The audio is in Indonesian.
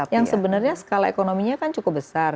yang sebenarnya skala ekonominya kan cukup besar